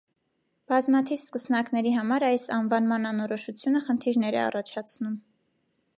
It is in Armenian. Բազմաթիվ սկսնակների համար այս անվանման անորոշությունը խնդիրներ է առաջացնում։